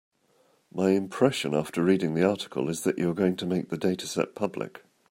My impression after reading the article is that you are going to make the dataset public.